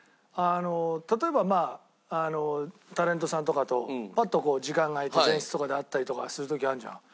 例えばまあタレントさんとかとパッとこう時間が空いて前室とかで会ったりとかする時あるじゃん。